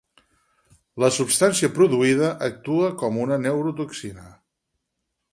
La substància produïda actua com una neurotoxina.